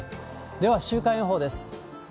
では、週間予報です。